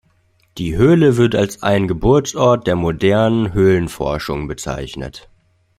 Die Höhle wird als ein Geburtsort der modernen Höhlenforschung bezeichnet.